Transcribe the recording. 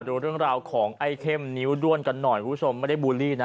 ดูเรื่องราวของไอ้เข้มนิ้วด้วนกันหน่อยคุณผู้ชมไม่ได้บูลลี่นะ